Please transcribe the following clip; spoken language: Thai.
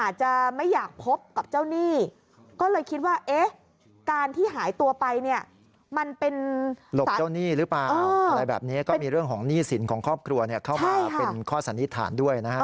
เหล้าทำหนี้สินของครอบครัวเข้ามาเป็นข้อสันนิษฐานด้วย